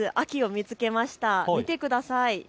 見てください。